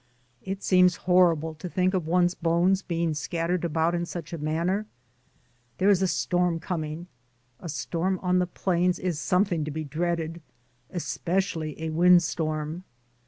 It seems horrible to think of one's bones be ing scattered about in such manner. There is a storm coming; a storm on the plains is something to be dreaded, especially a wind storm.